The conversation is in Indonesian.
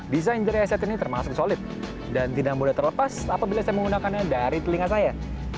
desain jerry aset ini termasuk solid dan tidak mudah terlepas apabila saya menggunakannya dari telinga saya